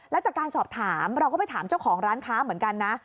แล้วจากการสอบถามเราก็ไปถามเจ้าของร้านค้าเหมือนกันนะ